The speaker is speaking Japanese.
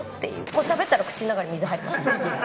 しゃべったら口の中に水が入ります。